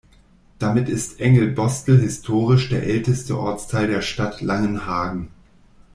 Damit ist Engelbostel historisch der älteste Ortsteil der Stadt Langenhagen.